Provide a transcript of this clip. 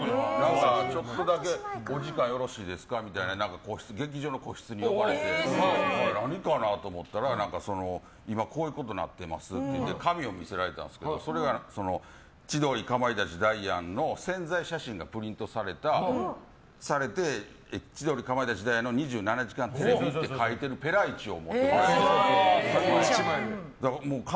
ちょっとだけお時間よろしいですかみたいな劇場の個室に呼ばれて何かな？と思ったら今、こういうことなってますって紙を見せられたんですけどそれが千鳥、かまいたち、ダイアンの宣材写真がプリントされて千鳥、かまいたち、ダイアンの「２７時間テレビ」と書いてるペライチを持ってこられて。